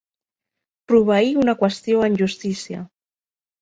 Proveir una qüestió en justícia.